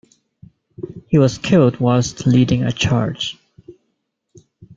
He was killed whilst leading a charge.